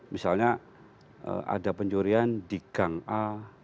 misalnya ada pencurian di gang a